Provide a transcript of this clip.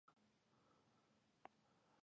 یوه ورځ بهلول نوي بوټان اخیستي وو.